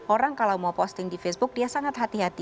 orang kalau mau posting di facebook dia sangat hati hati